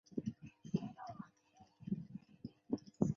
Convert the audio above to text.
不过在小牛队时易建联鲜有上场机会。